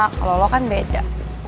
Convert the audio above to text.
kalau lo kan beda